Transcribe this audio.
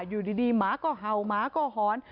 อยู่ดีหมาก็เห่าหมาก็หอน